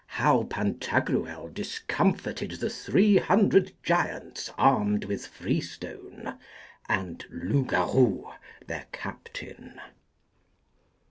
How Pantagruel discomfited the three hundred giants armed with free stone, and Loupgarou their captain.